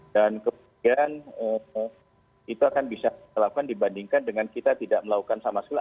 dan kemudian itu akan bisa dilakukan dibandingkan dengan kita tidak melakukan sama sekali